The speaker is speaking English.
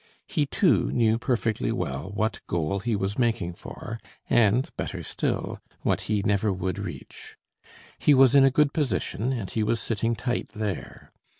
He, too, knew perfectly well what goal he was making for, and better still, what he never would reach. He was in a good position, and he was sitting tight there.